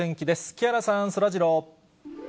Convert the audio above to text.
木原さん、そらジロー。